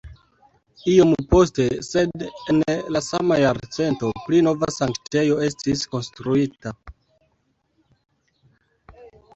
Iom poste sed en la sama jarcento pli nova sanktejo estis konstruita.